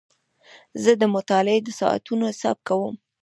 زه د مطالعې د ساعتونو حساب کوم.